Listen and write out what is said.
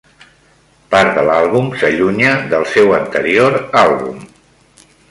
Part de l'àlbum s'allunya del seu anterior àlbum.